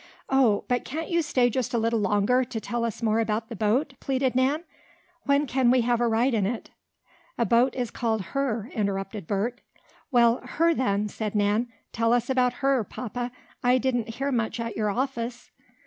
"Oh, but can't you stay just a little longer, to tell us more about the boat!" pleaded Nan. "When can we have a ride in it?" "A boat is called 'her,'" interrupted Bert, "Well, 'her' then," said Nan. "Tell us about HER, papa. I didn't hear much at your office."